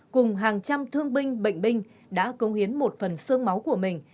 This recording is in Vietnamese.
cùng hàng trăm thương binh bệnh binh đã công hiến một phần sương máu của mình